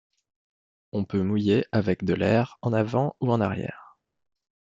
On peut mouiller avec de l'erre en avant ou en arrière.